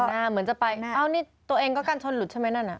เดินหน้าเหมือนจะไปตัวเองก็กันชนรถใช่ไหมนั่น